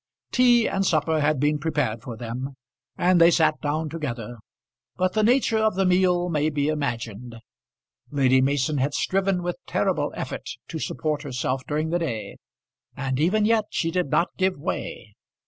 Tea and supper had been prepared for them, and they sat down together; but the nature of the meal may be imagined. Lady Mason had striven with terrible effort to support herself during the day, and even yet she did not give way.